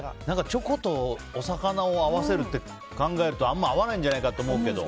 チョコとお魚を合わせるって考えると、あんまり合わないんじゃないかと思うけど。